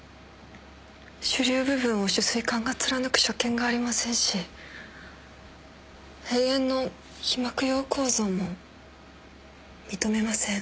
腫瘤部分を主膵管が貫く所見がありませんし辺縁の被膜様構造も認めません。